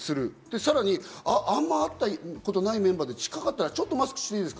さらにあんまり会ったことないメンバーで、近かったらちょっとマスクしていいですか？